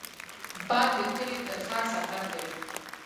باد له کلي تر ښار سفر کوي